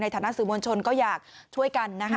ฐานะสื่อมวลชนก็อยากช่วยกันนะคะ